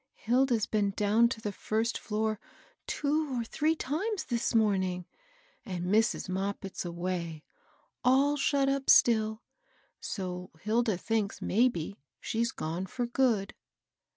" Hilda's been down to the first floor two or three times, this morning, and Mrs. Moppit's away, — all shut up still ; so Hilda thinks, maybe, she's gone for good."